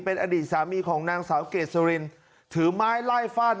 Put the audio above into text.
เป็นอดีตสามีของนางสาวเกซ่าลิ้นถือไม้ไล่ฝ่าใน